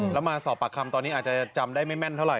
แล้วมาสอบปากคำตอนนี้อาจจะจำได้ไม่แม่นเท่าไ